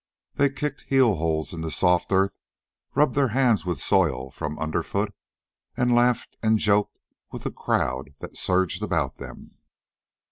They kicked heel holds in the soft earth, rubbed their hands with the soil from underfoot, and laughed and joked with the crowd that surged about them.